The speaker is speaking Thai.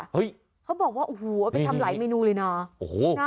เฮ้ยเขาบอกว่าโอ้โหเอาไปทำหลายเมนูเลยน่ะโอ้โหน่ะ